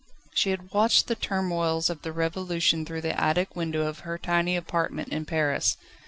She had watched the turmoils of the Revolution through the attic window of her tiny apartment in Paris.